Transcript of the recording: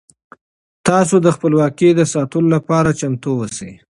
تاسو د خپلواکۍ د ساتلو لپاره چمتو اوسئ.